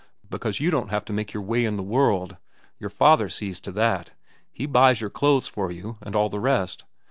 Because you don't have to make your way in the world. Your father sees to that. He buys your clothes for you, and all the rest.